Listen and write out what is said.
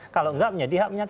kalau nggak menyatakan pendapat